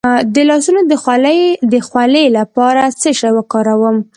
د لاسونو د خولې لپاره څه شی وکاروم؟